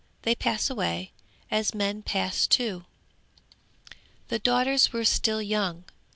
they pass away, as men pass too! 'The daughters were still young.